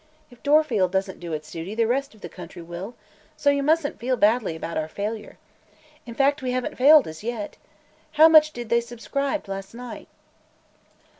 If Dorfield doesn't do it's duty, the rest of the country will, so you mustn't feel badly about our failure. In fact, we haven't failed, as yet. How much did they subscribe last night?"